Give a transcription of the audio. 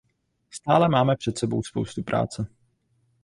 Stále máme před sebou spoustu práce.